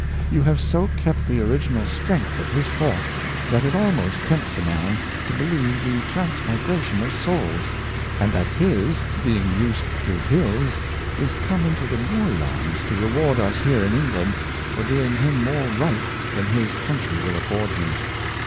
You have so kept the Original Strength of his Thought, that it almost tempts a Man to believe the Transmigration of Souls, and that his, being us'd to Hills, is come into the Moore Lands to Reward us here in England, for doing him more Right than his Country wiU afford him.